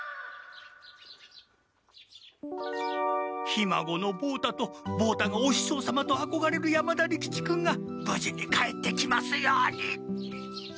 ひまごの望太と望太が「おししょう様」とあこがれる山田利吉君がぶじに帰ってきますように。